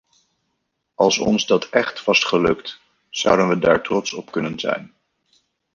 Als ons dat echt was gelukt, zouden we daar trots op kunnen zijn.